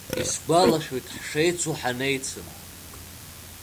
Исгәалашәоит ҳшеицу ҳанеицым.